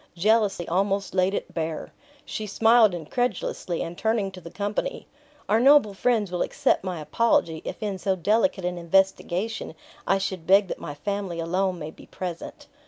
Jealousy almost laid it bare. She smiled incredulously, and turning to the company, "Our noble friends will accept my apology, if in so delicate an investigation, I should beg that my family alone may be present."